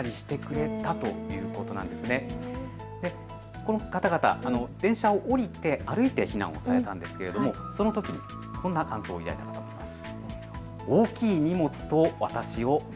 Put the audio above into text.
この方々、電車を降りて歩いて避難をされたんですがそのときにこんな感想を抱いたそうです。